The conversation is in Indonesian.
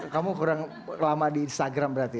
kamu kurang lama di instagram berarti